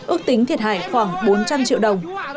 ước tính thiệt hại khoảng bốn trăm linh triệu đồng